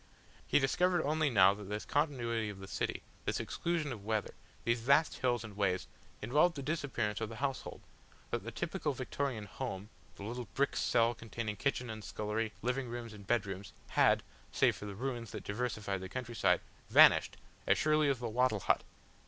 He discovered only now that this continuity of the city, this exclusion of weather, these vast halls and ways, involved the disappearance of the household; that the typical Victorian "Home," the little brick cell containing kitchen and scullery, living rooms and bedrooms, had, save for the ruins that diversified the countryside, vanished as surely as the wattle hut.